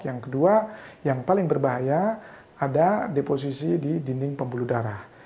yang kedua yang paling berbahaya ada deposisi di dinding pembuluh darah